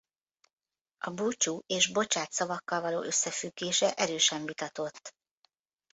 A búcsú és bocsát szavakkal való összefüggése erősen vitatott.